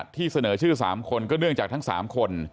ที่เสนอชื่อ๓คนก็เนื่องจากทั้ง๓คน